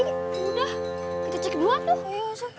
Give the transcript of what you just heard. kita cek duluan